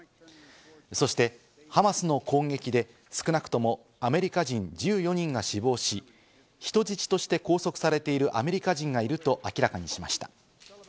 そしてハマスの攻撃で、少なくともアメリカ人、１４人が死亡し、人質として拘束されているアメリカ人がいると明らかにしました。